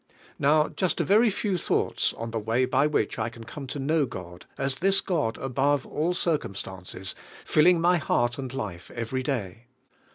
Now, just a very few thoughts on the way by which I can come to know God as this God above * all circumstances, filling my heart and life every day.